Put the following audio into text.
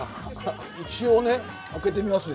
一応ね開けてみますね。